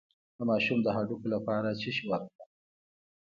د ماشوم د هډوکو لپاره څه شی ورکړم؟